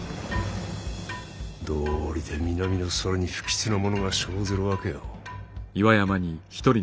どうりで南の空に不吉なものが生ずるわけよ。